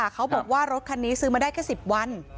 เขาบอกว่ารถคันนี้ซื้อมาได้แค่๑๐วัน